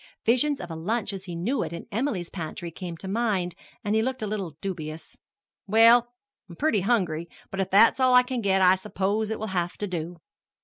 Visions of a lunch as he knew it in Emily's pantry came to him, and he looked a little dubious. "Well, I'm pretty hungry; but if that's all I can get I suppose it will have to do."